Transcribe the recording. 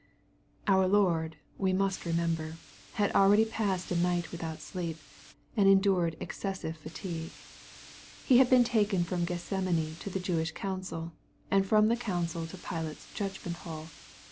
Our Lord, we must remember, had already passed a night without sleep, and endured excessive fatigue. He had been taken from Gethsemane to the Jewish council, and from the council to Pilate's judgment hall.